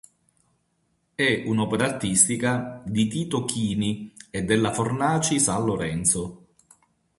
È un'opera artistica di Tito Chini e della Fornaci San Lorenzo.